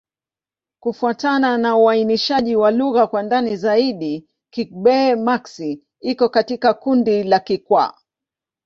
Kufuatana na uainishaji wa lugha kwa ndani zaidi, Kigbe-Maxi iko katika kundi la Kikwa.